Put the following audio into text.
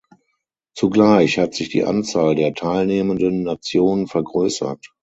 Zugleich hat sich die Anzahl der teilnehmenden Nationen vergrößert.